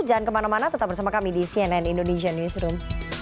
jangan kemana mana tetap bersama kami di cnn indonesian newsroom